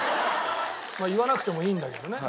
言わなくてもいいんだけどね。